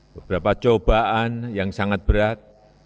beberapa cobaan yang sangat berat